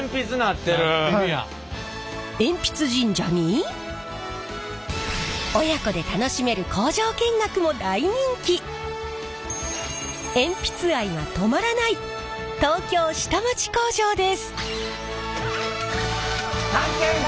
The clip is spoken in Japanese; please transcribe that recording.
鉛筆神社に親子で楽しめる鉛筆愛が止まらない東京下町工場です！